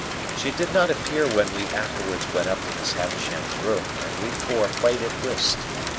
She did not appear when we afterwards went up to Miss Havisham's room, and we four played at whist.